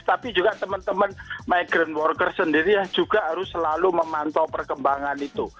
tapi juga teman teman migrant worker sendiri juga harus selalu memantau perkembangan itu